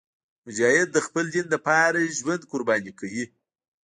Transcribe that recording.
مجاهد د خپل دین لپاره ژوند قرباني کوي.